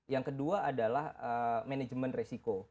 yang kedua adalah manajemen resiko